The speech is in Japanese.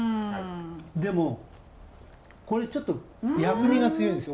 でもこれちょっと薬味が強いんですよ